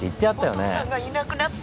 ☎おとうさんがいなくなった。